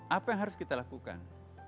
apa yang harus kita lakukan